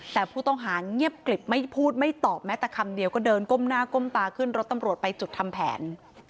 แต่ผู้ต้องหาเงียบกลิบไม่พูดไม่ตอบแม้แต่คำเดียวก็เดินก้มหน้าก้มตาขึ้นรถตำรวจไปจุดทำแผน